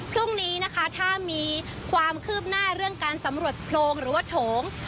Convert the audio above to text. พรุ่งนี้นะคะถ้ามีความคืบหน้าเรื่องการสำรวจโพรงหรือว่าโถง